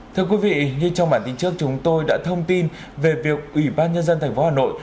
thưa quý vị như trong bản tin trước chúng tôi đã thông tin về việc ủy ban nhân dân tp hà nội